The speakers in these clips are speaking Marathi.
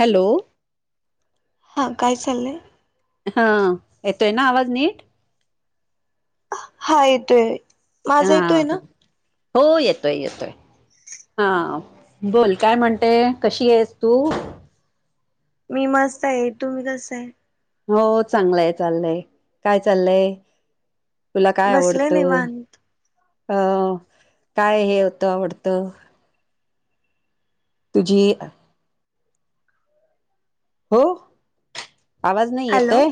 हॅलो. हां काय चाललंय आहे. हा येतोय ना आवाज नीट हायत. हा हा. हो येतोय येतोय हा बोल काय म्हणतेय कशी आहेस तू मी मस्त आहे तुम्ही कसं आहे. हो चांगलंय चाललंय काय चाललंय. तुला काय बसले आवडत निवांत अ काय हे होतं आवडत. तुझी? हो आवाज नाही हॅलो येतेय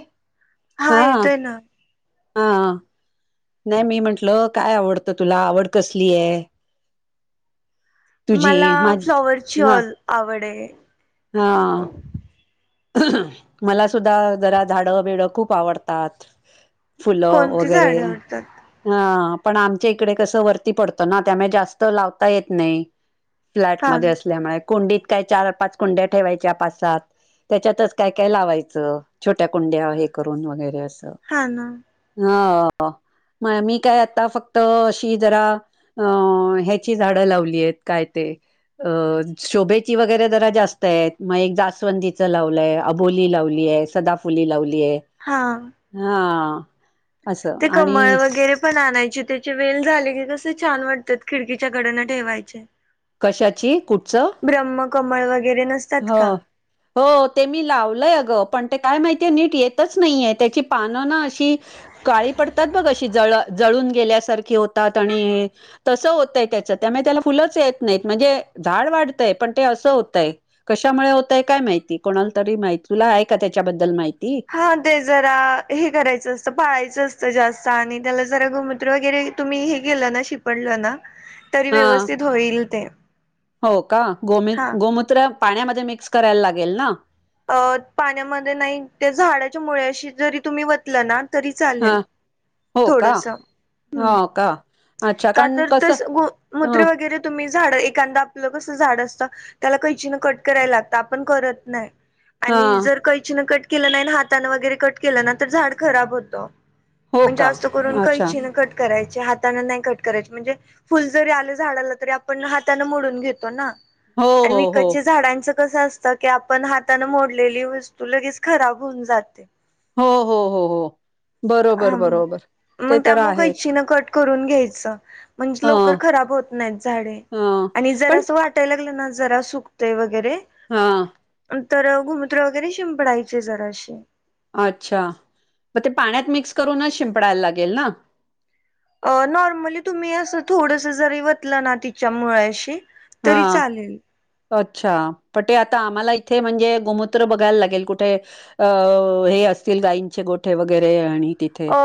हा. येतोय ना हा. नाही मी म्हंटलं काय आवडतं तुला आवड कसली आहे. तुझी मला मा फ्लॉवरची हा ऑल आवड आहे. हा. मला सुद्धा जरा झाडं बिडं खूप आवडतात. फुलं कोणती वगैरे झाडे आवडतात हा पण आमच्या इकडे कसं वरती पडतो ना त्यामुळे जास्त लावता येत नाही. हा फ्लॅटमध्येध्ये असल्यामुळे कुंडीत काय चार पाच कुंड्या ठेवायच्या पाच सात त्याच्यातच काय काय लावायचं छोट्या कुंड्या हे करून वगैरे असं. हा ना. हा म मी काय आता फक्त अशी जरा अ ह्याची झाडं लावली आहेत काय ते अ शोभेची वगैरे जरा जास्त मग एक जाासवंदीचं लावलंय अबोली लावलीय सदाफुली लावलीय. हा. हा. असं ते कमळ आणि वगैरे पण आणायची त्याचे वेल झाले की कसे छान वाटतात खिडकीच्या कडेन ठेवायचे. कशाची कुडचं? ब्रह्म कमळ वगैरे नसते. हा. हो ते मी लावलंय गं पण ते काय माहितीय नीट येतच नाहीये त्याची पानं ना अशी काळी पडतात बघ अशी जळ जळून गेल्यासारखी होतात आणि तसं होतय त्याचं त्यामुळे त्याला फुलंच येत नाहीत म्हणजे झाड वाढतंय पण ते असं होतय. कशामुळे होतय काय माहिती कोणाला तरी माहि तुला आहे का त्याच्याबद्दल माहिती हा ते जरा हे करायचं असतं पाळायचं असतं जास्त आणि त्याला जरा गुमत्र वगैरे तुम्ही हे गेलं ना शिपडलं ना. तरी हा व्यवस्थित होईल ते हो का गोम हा गोमत ु पाण्यामध्ये मिक्स करायला लागेल ना. अ पाण्यामध्ये नाही त्या झाडाच्या मुळशी जरी तुम्ही वतल ना तरी हा चालेल. हो का थोडस ह् हो का अच्छा का कारण तर कसं तस ग ह मूत्र वगैरे तुम्ही झाड एखादा आपलं कसं झाड असत. त्याला कैची ना कट करायला लागत आपण करत नाही. हा आणि जर कैचीनं कट केलं नाही ना हाताानं वगैरे कट केलं ना तर झाड खराब होतं. हो म्हणज का जास्त करून अच्छा कैचीन कट करायचे हात हाता नाही कट करायची म्हणजे फुल जरी आले झाडाला तरी आपण हाताने मोडून घेतो ना. हो आणि मी हो हो कच्च्या झाडांच. स असत की आपण हातान मोडलेली वस्तू लगेच खराब होऊन जाते. हो हो हो हो हा बरोबर बरोबर ते तर आहेत. घ्या म्हणज लव हं, खब होत नाही हं. झा पण ज टेल ना जरा सुकते वगैरे हा. तर घुमत्र वगैरे शिंपडायचे जरा असे. अच्छा मग ते पाण्यात मिक्स करूनच शिंपडायला लागेल ना. अ नॉर्मली तुम्ही असं थोडस जरी वतलं ना तिच्या मुळशी हा. अच्छा प ते आता आम्हाला इथे म्हणजे गोमूत्र बघायला लागेल कुठे? अ हे असतील गाईंचे गोठे वगैरे आणि तथ अ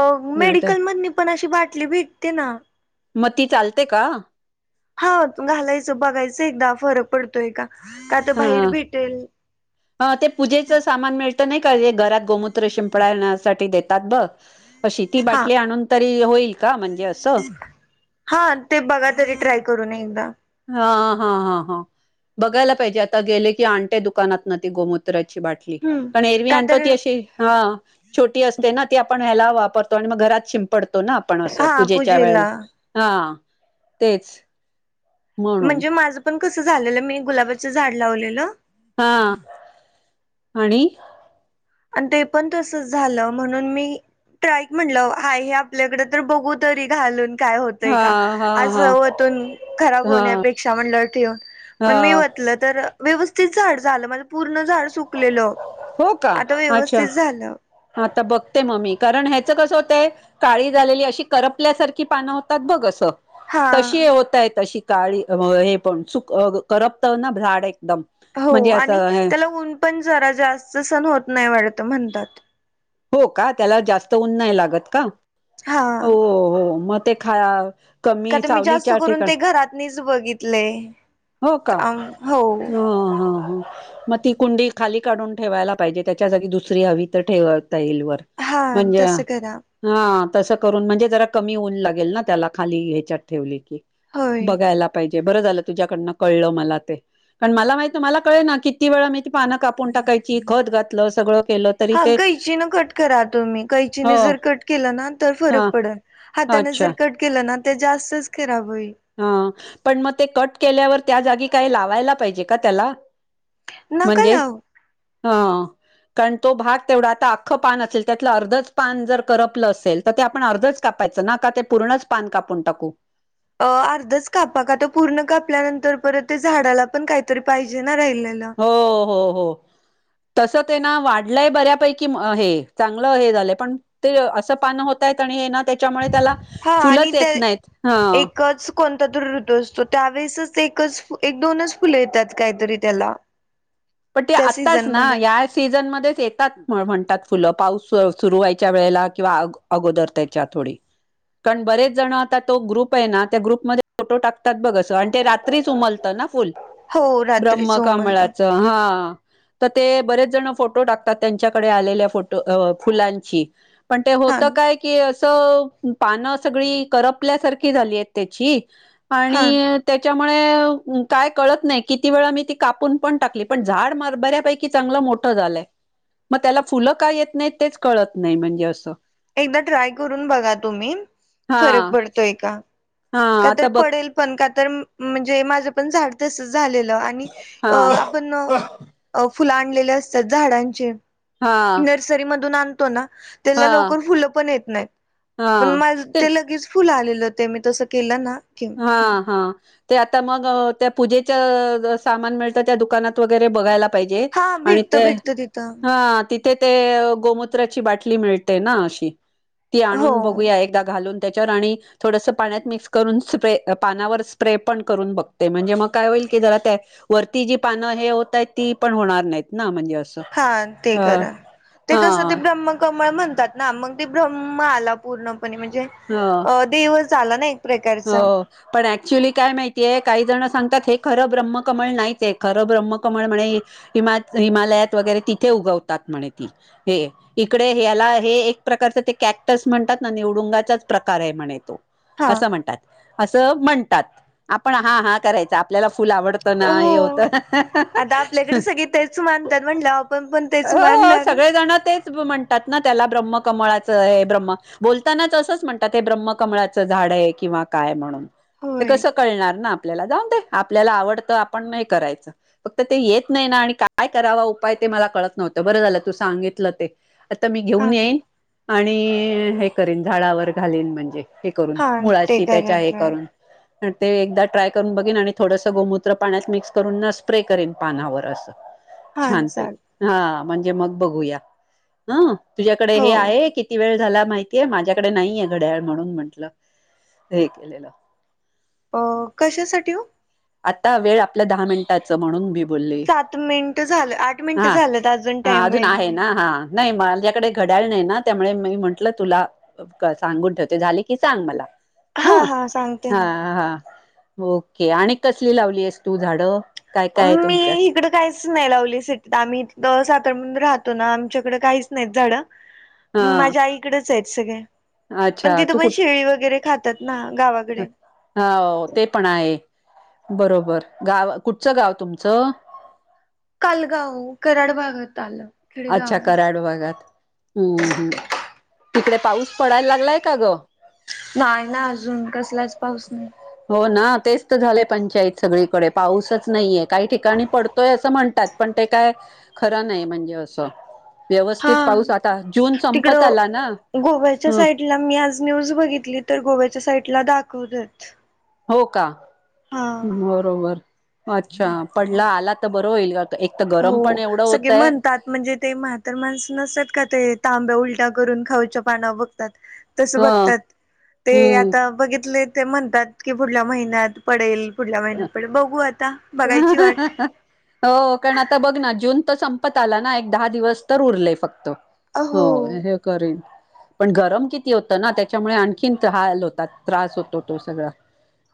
मेडिकल मधनी पण अशी बाटली भेटते ना. मग ती चालते का? हा घालायचं बघायचं एकदा फरक पडतोय का काता बाहेर भेटेल. ह ते पूजेचं सामान मिळतं नाही का घरात गोमूत्र शिंपडण्यासाठी देतात बघ. अशी ती हा. बाटली आणून तरी होईल का म्हणजे असं. हा ते बघा तरी ट्राय करून एकदा हा हा हा हा बघायला पाहिजे आता गेले की आणटे दुकानात नती गोमूत्राची बाट हम्म ण एरवी का आणो तर ती अ ह छोटी असते ना आपण ह्याला वापरतो आणि मग घरात शिंपडतो ना आपण असं हा पूजेच्या पूजेला वेळेला हा तेच म्हणून म्हणजे माझं पण कसं झालेलं मी गुलाबाच झाड लावलेलं. हा आणि आणि ते पण तस झालं म्हणून मी. ट्राईक म्हटलं हाय हे आपल्याकडे तर बघू तरी घालून काय होतय हा का हा हा असतून खराब हा होण्यापेक्षा म्हणलं ठेवन. मण मी हा होटलं तर व्यवस्थित झाड झालं माझ पूर्ण झाड सुकलेलं. हो का आता अच्छा व्यवस्थित झालं आता बघते मम्मी कारण ह्याच कसं होतय. काळी झालेली अशी करपल्यासारखी पानं होतात बघसं. हा तशी होतय तशी काळी हे पण चक कर तर ना झाड एकदम हो म्हणजे याच आणि त्याला ऊन पण जरा जास्त सण होत नाही वाटत म्हणतात. हो का त्याला जास्त उऊन नाही लागत का हा हो हो मग ते खा का कमी तर मी जास्त सावलीच्या करून ठिकाण ते घरात निच बघितले. हो का हो ह हो हो. मग ती कुंडी खाली काढून ठेवायला पाहिजे त्याच्या जागी दुसरी हवी तर ठेवता येईल वर. हा म्हणजे तसं करा. हा तसं करून म्हणजे जरा कमी ऊन लागेल ना त्याला खाली ह्याच्यात ठेवली की. होय बघायला पाहिजे बरं झालं तुझ्याकडनं कळलं मला ते. कारण मला माहिित मला कळे ना किती वेळा मी त पानं कापून टाकायची खत घातलं सगळं केलं. तरी हां ते कैचीन कट करा तुम्ही हो कैचीने जर कट केलं ना तर हा फरक पडेल. हाताने अच्छा जर कट केलं ना ते जास्तच खराब होईल. हा पण मग ते कट केल्यावर त्या जागी काही लावायला पाहिजे का त्याला नका म्हणजे लावू. हा. कारण तो भाग तेवढा आता आख्खं पान असेल त्यातलं अर्धच पान जर करपलं असेल तर ते आपण अर्धच कापायचं ना का ते पूर्णच पान कापून टाकू अ अर्धच कापा का तर पूर्ण कापल्यानंतर परत त्या झाडाला पण काहीतरी पाहिजे ना राहिलेला हो हो हो. तसं ते ना वाढलंय बऱ्यापैकी हे चांगलं हे झालंय पण ते असं पानं होतय आणि हे ना त्याच्यामुळे त्याला हा आणि फुलंच त्या येत नाहीत ह एकच कोणता तर ऋतू असतो त्यावेळेसच एकच एक दोनच फुलं येतात काहीतरी त्याला पण ते त्या आताच सीझन ना मध्ये या सीझनमध्येच येतात. म्हणतात फुलं पाऊस सुरू व्हायच्या वेळेला किंवा अगोदर त्यायच्या थोडी कारण बरेच जण आता तो ग्रुप आहे ना त्या ग्रुपमध्ये फोटो टाकतात बघस आणि ते रात्रीच उमलत ना फुल हो रात्रीच उमलत ब्रह्मकमळाच हा तर ते बरेच जण फोटो टाकतात त्यांच्याकडे आलेल्या फोटो फुलांची पण ते हा. होतं काय क असं पान सगळी करपल्यासारखी झालीय त्याची हा आणि त्याच्यामुळे काय कळतं नाही किती वेळा मी ती कापून पण टाकली पण झाड मारबऱ्यापैकी चांगलं मोठं झालंय मग त्याला फुलं काय येत नाही तेच कळतं नाही म्हणजे असं एकदा ट्राय करून बघा तुम्ही हा फरक पडतोय का हा का तर आता बघ पडेल पण का तर म्हणजे माझं पण झाड तसच झालेलं हा अ आपण फुलं आणलेली असतात झाडांचे हा नर्सरी मधून आणतो ना त्याला हा लगेच फुलं पण येत नाहीत हा माझं ते फुल आलेलं ते मी तसं केलं ना हा हा ते आता मग त्या पूजेच्या सामान मिळतं त्या दुकानात वगैरे बघायला पाहिजे हा आणि भेटत ते भेटत तिथं हा ते ते गोमत्राची बाटली मिळते ना अशी ती हो आणून बघूया एकदा घालून. त्याच्यावर आणि थोडस पाण्यात मिक्स करून स्प्रे पानावर स्प्रे पण करून बघते म्हणजे मग काय होईल की जरा त्या वरती जी पानं हे होत आहेत ती पण होणार नाहीत ना म्हणजे असं हा ते हां, करा ते कसं ते हां, ब्रह्म कमळ म्हणतात ना मग ते ब्रम्म आला पूर्णपणे म्हणजे हा अ देवच झालं ना हो प्रकारचा पण ऍक्च्युअली काय माहितीये काही जण सांगतात हे खरं ब्रह्मकमळ नाहीच आहे खरं ब्रह्मकमळ म्हणे हिमा हिमालयात वगैरे तिथे उगवतात म्हणे ती हे इकडे ह्याला हे एक प्रकारच ते कॅक्टस म्हणतात ना निवडुंगाचाच प्रकार आहे म्हण तो हा असं म्हणतात असं म्हणतात आपण हा हा करायचा आपल्याला फुल आवडत ना हे होत हो आता आपल्याकडे सगळे तेच मानतात म्हटलं आपण पण तेच अ मानणार. सगळे जण तेच म्हणतात ना त्याला ब्रह्म कमळाचं हे ब्रम्ह बोलतानाच असंच म्हणतात ते ब्रह्मकमळाचं झाड आहे किंवा काय म्हणून ते होय कसं कळणार ना आपल्याला जाऊन दे आपल्याला आवडतं आपण नाही करायचं फक्त ते येत नाही ना आणि काय करावा उपाय ते मला कळत नव्हतं बरं झालं तू सांगितलं ते आता मी हा घेऊन येईन आणि हे करेन झाडावर घालीन म्हणजे हे करून हा ते मुळाशी करा त्याच्या हे ट्राय करून ते एकदा ट्राय करून बघेन आणि थोडसं गोमूत्र पाण्यात मिक्स करून ना स्प्रे करेन पानावर असं हा चाल छानपैकी हा म्हणजे मग बघूया हं तुझ्याकडे हो हे आहे की किती वेळ झाला माहितीये माझ्याकडे नाहीये घड्याळ म्हणून म्हटलं हे केलेलं अ कशासाठी ओ? आता वेळ आपल्या दहा मिनिटाच म्हणून मी बोल्ले सात मिनिट झालं आठ मिनिट हा झालंत हा टाइम अजून आहे ना हा नाही माझ्याकडे घड्याळ नाही ना त्यामुळे मी म्हंटलं तुला सांगून ठेवते झाले की सांग मला हा- हा -हा ओके आणि कसली लावली आहेस तू झाडं? काय काय आहे म मी तुमच्या हिकड काहीच नाही लावली सिटीत आम्ही इथ सातार म्हण राहतो ना आमच्याकडे काहीच नाहीत झाडं हा माझ्या आईकडेच आहेत सगळे पण अच्छा तिथं तू पण कुठ शेळी वगैरे खातात ना गावाकडे हो ते पण आहे बरोबर गाव कुठचं गाव तुमचं? कालगाव कराड भागात आलं अच्छा खेडेगाव आहे. कराड भागात हम्म हम् तिकडे पाऊस पडायला लागलाय का ग? नाही ना अजून कसलाच पाऊस नाही हो ना तेच तर झाले पंचायत सगळीकडे पाऊसच नाहीये काही ठिकाणी पडतोय असं म्हणत तात पण ते काय खरं नाही म्हणजे अस हा व्यवस्थित पाऊस आता जून संपत तिकडं आला ना गोव्याच्या ह [unintelligible] मी आज न्यूज बघितली तर गोव्याच्या साईटला दाखवतेत हो का बरोबर अच्छा पडला आला तर बरं होईल का एक तर गरम हो पण एवढं सगळे होतय म्हणतात म्हणजे ते म्हातर माणस नसत का ते तांब्या उलट्या करून खाऊच्या पाना बघतात तस ह बघतात ते हम्म आता बघितले ते म्हणतात की पुढल्या महिन्यात पडेल पुढल्या महिन्यात पडेल बघू आता बघायची वाट हो कारण आता बघ ना जून तर संपत आला ना एक दहा दिवस तर उरले फक्त हो हे करीन पण गरम किती होतं ना त्याच्यामुळे आणखीन हाल होतात त्रास होतो तो सगळा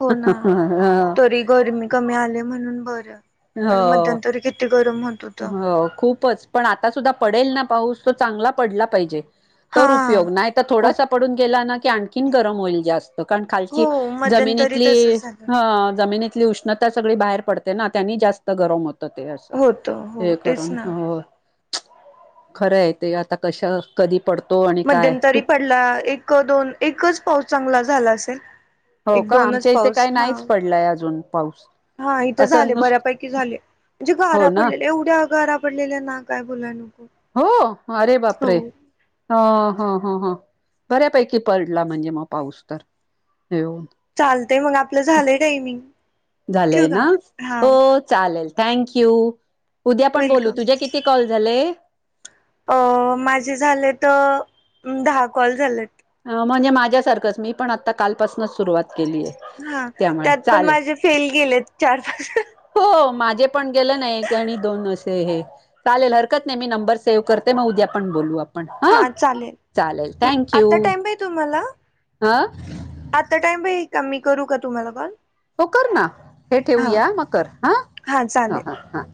हो ना. [inaudible] तरी गरमी कमी आले म्हणून बरं हो मध्यंतरी किती गरम हो हो खूपच पण आता सुद्धा पडेल ना पाऊस तो चांगला पडला पाहिजे हा तर उपयोग नाही तर ओ थोडासा पडून गेला ना की आणखीन गरम होईल जास्त कारण खालची हो मध्यंतरी जमिनीतली तसच झालं. -जमिनीतली उष्ण आता सगळी बाहेर पडते ना त्यांनी जास्त गरम होतं ते. होतो. हे करण हो खरं आहे ते आता कशा कधी पडतो आणि काय तू. ला एक दोन -एकच पाऊस चांगला झाला असेल हो एक का दोनच आमच्या इथे पाऊस काही हा नाहीच पडलाय अजून पाऊस. हा इथे असं झाले नुस बऱ्यापैकी झाले म्हणजे हो गारा ना पडलेल्या एवढ्या गारा पडलेल्या ना काय बोलाय नको. हो अरे बापरे. हो. हा हा ह ह बऱ्यापैकी पडला म्हणजे मग पाऊस तर येऊन. चालतय मग आपलं झालंय टायमिंग झालंय ठेवू ना का हा हो चालेल थँक यू उद्या पण बोलू वेलकम. तुझ्या किती कॉल झाले. अ माझे झाले त दहा कॉल झालेत. म्हणजे माझ्यासारखंच मी पण आता कालपासूनच सुरुवात केली आहे हा त्यामुळे त्यात पण चालेल माझे फेल गेलेत चार- पाच. [inaudible] हो माझे पण गेलं ना एक आणि दोन असे हे. चालेल हरकत नाही मी नंबर सेव्ह करते मग उद्या पण बोलू आप पण हा चालेल थँक यू आता टाइम आहे तुम्हाला हा. आता टाइम प आहे का मी करू का तुम्हाला कॉल? हो कर ना हे हा ठेवूया म कर हा ह ह हा.